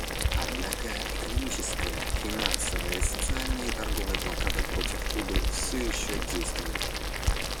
Однако экономическая, финансовая, социальная и торговая блокада против Кубы все еще действует.